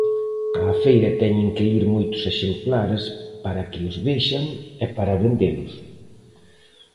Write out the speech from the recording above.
Á feira teñen que ir moitos exemplares para que os vexan e para vendelos.